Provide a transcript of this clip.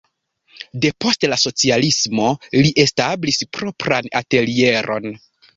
Depost la socialismo li establis propran atelieron.